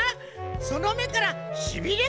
そのめからしびれ